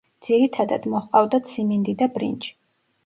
ძირითადათ მოჰყავდათ სიმინდი და ბრინჯი.